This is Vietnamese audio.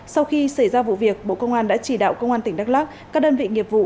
sau khi xảy ra vụ việc bộ công an đã chỉ đạo công an tỉnh đắk lắc các đơn vị nghiệp vụ